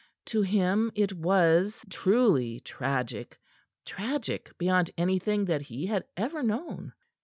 To him it was truly tragic, tragic beyond anything that he had ever known.